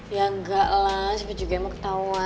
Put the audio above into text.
ya enggak lah cepet juga mau ketauan nanti